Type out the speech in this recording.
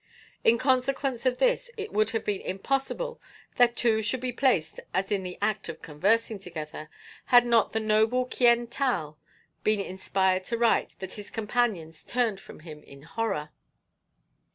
In consequence of this it would have been impossible that two should be placed as in the act of conversing together had not the noble Kyen Tal been inspired to write that "his companions turned from him in horror."